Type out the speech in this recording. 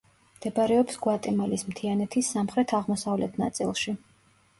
მდებარეობს გვატემალის მთიანეთის სამხრეთ-აღმოსავლეთ ნაწილში.